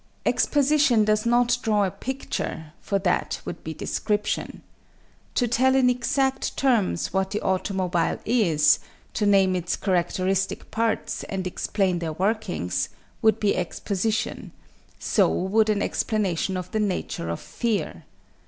Exposition does not draw a picture, for that would be description. To tell in exact terms what the automobile is, to name its characteristic parts and explain their workings, would be exposition; so would an explanation of the nature of "fear."